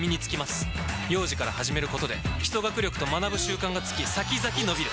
幼児から始めることで基礎学力と学ぶ習慣がつき先々のびる！